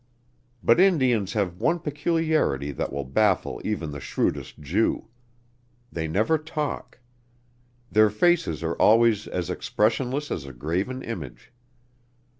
But Indians have one peculiarity that will baffle even the shrewdest Jew. They never talk. Their faces are always as expressionless as a graven image.